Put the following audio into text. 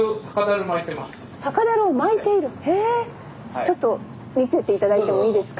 ちょっと見せて頂いてもいいですか？